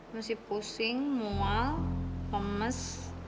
masih pusing mual lemes